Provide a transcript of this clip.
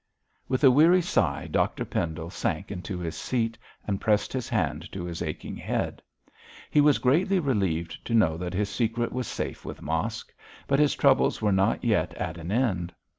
With a weary sigh Dr Pendle sank into his seat, and pressed his hand to his aching head. He was greatly relieved to know that his secret was safe with Mosk; but his troubles were not yet at an end.